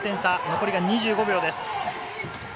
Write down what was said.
残りは２５秒です。